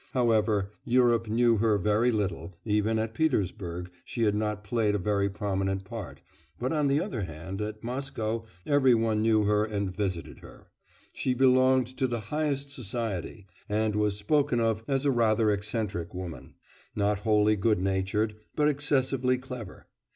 However, Europe knew her very little; even at Petersburg she had not played a very prominent part; but on the other hand at Moscow every one knew her and visited her. She belonged to the highest society, and was spoken of as a rather eccentric woman, not wholly good natured, but excessively clever.